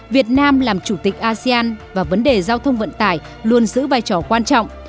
việt nam làm chủ tịch asean và vấn đề giao thông vận tải luôn giữ vai trò quan trọng